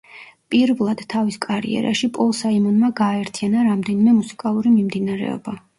პირვლად თავის კარიერაში პოლ საიმონმა გააერთიანა რამდენიმე მუსიკალური მიმდინარეობა.